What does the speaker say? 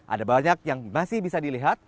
ada banyak yang masih bisa dilihat